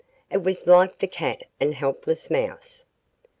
It was like the cat and the helpless mouse.